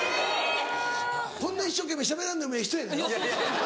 ⁉・こんな一生懸命しゃべらんでもええ人やのやろ？